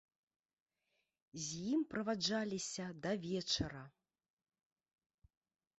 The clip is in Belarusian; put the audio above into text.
З ім праваждаліся да вечара.